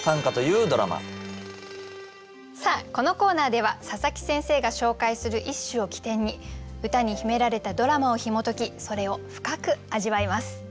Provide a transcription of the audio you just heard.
このコーナーでは佐佐木先生が紹介する一首を起点に歌に秘められたドラマをひも解きそれを深く味わいます。